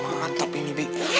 mantap ini bi